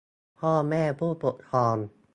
พ่อแม่ผู้ปกครอง